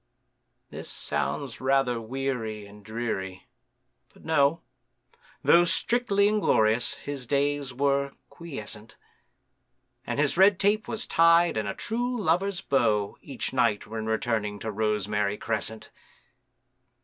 This sounds rather weary and dreary; but, no! Though strictly inglorious, his days were quiescent, And his red tape was tied in a true lover's bow Each night when returning to Rosemary Crescent.